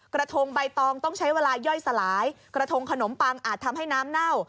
กระทงใบตองต้องใช้เวลาย่อยสลายกระทงขนมปังอาจทำให้น้ำเน่า